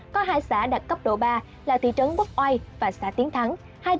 có hai xã đạt cấp độ ba là thị trấn bốc oai và xã tiến thắng